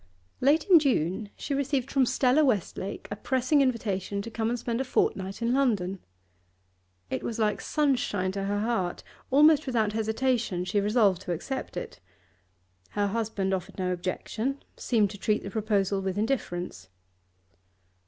Late in June she received from Stella Westlake a pressing invitation to come and spend a fortnight in London. It was like sunshine to her heart; almost without hesitation she re solved to accept it. Her husband offered no objection, seemed to treat the proposal with indifference.